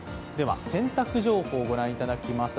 洗濯情報をご覧いただきます。